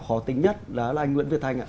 khó tính nhất là anh nguyễn việt thanh ạ